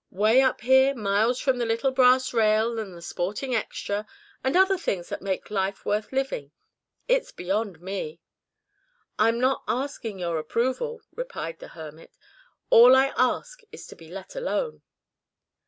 Way up here miles from the little brass rail and the sporting extra, and other things that make life worth living. It's beyond me." "I'm not asking your approval," replied the hermit. "All I ask is to be let alone."